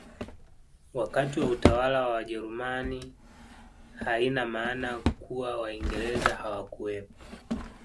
Wakati wa utawala wa wajerumani haina maana kuwa waingereza hawakuwepo